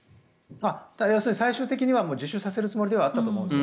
要するに、最終的には自首させるつもりではあったと思います。